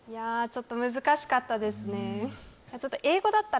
ちょっと難しかったですね